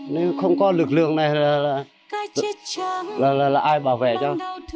nếu không có lực lượng này là ai bảo vệ cho